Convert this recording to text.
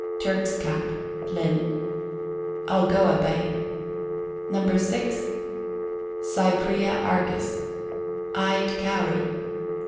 Turk's Cap. Linn. Algoa Bay. No. 6. Cypræa Argus. Eyed Cowry.